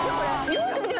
よーく見て！